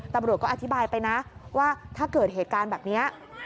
ตำรวจก็อธิบายไปนะว่าถ้าเกิดเหตุการณ์แบบนี้